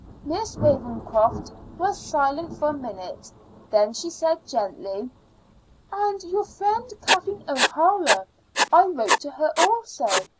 Miss Ravenscroft was silent for a minute; then she said gently: "And your friend, Kathleen O'Hara? I wrote to her also.